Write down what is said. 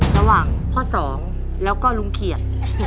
ระหว่างพ่อสองแล้วก็ลุงเขียด